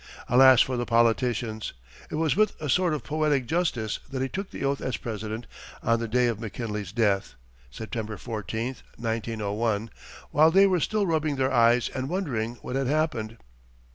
Alas for the politicians! It was with a sort of poetic justice that he took the oath as President on the day of McKinley's death, September 14, 1901, while they were still rubbing their eyes and wondering what had happened.